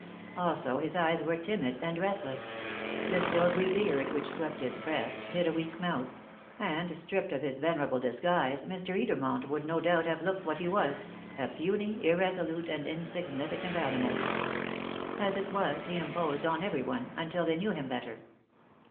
Also, his eyes were timid and restless; the silvery beard, which swept his breast, hid a weak mouth; and, stripped of his venerable disguise, Mr. Edermont would, no doubt, have looked what he was a puny, irresolute, and insignificant animal. As it was, he imposed on everyone until they knew him better.